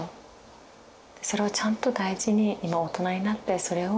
それをちゃんと大事に今大人になってそれを続けていきたい。